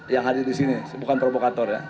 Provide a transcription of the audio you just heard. yang hadir disini bukan provokator ya